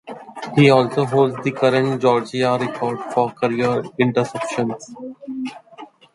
He also holds the current Georgia record for career interceptions.